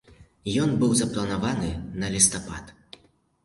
Ён быў запланаваны на лістапад.